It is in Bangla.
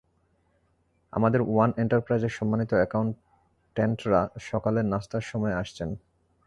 আমাদের ওয়েন এন্টারপ্রাইজের সম্মানিত অ্যাকাউনট্যান্টরা সকালের নাস্তার সময়ে আসছেন।